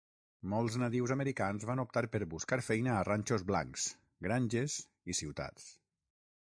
Molts nadius americans van optar per buscar feina a ranxos blancs, granges i ciutats.